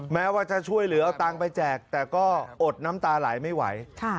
แม้ว่าจะช่วยเหลือเอาตังค์ไปแจกแต่ก็อดน้ำตาไหลไม่ไหว